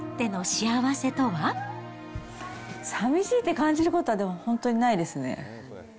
寂しいって感じることは、本当にないですね。